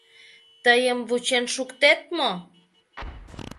Тыйым вучен шуктет мо?